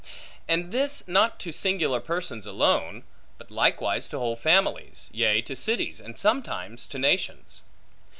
And this not to singular persons alone, but likewise to whole families; yea to cities, and sometimes to nations.